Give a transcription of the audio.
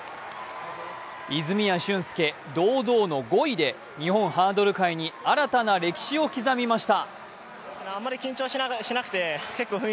泉谷駿介、堂々の５位で日本ハードル界に新たな歴史を刻みました。